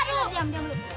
aduh diam diam